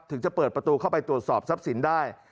จะเปิดประตูเข้าไปตรวจสอบทรัพย์สินได้